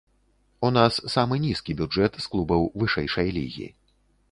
У нас самы нізкі бюджэт з клубаў вышэйшай лігі.